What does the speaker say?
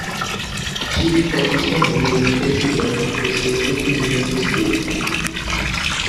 Tire fotos sombrias em preto e branco de pessoas deprimidas no escuro.